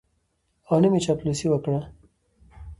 او نه مې چاپلوسي وکړه.